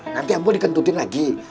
nanti ampuh dikentutin lagi